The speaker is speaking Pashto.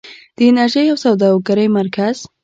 د انرژۍ او سوداګرۍ مرکز.